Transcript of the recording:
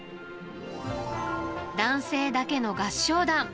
男性だけの合唱団。